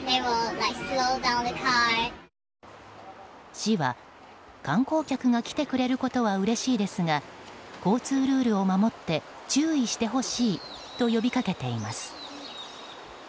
市は、観光客が来てくれることはうれしいですが交通ルールを守って注意してほしいと呼びかけています。